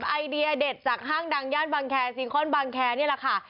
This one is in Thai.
ไอเดียเด็ดจากห้างดังย่านบางแคร์ซีคอนบางแคร์นี่แหละค่ะ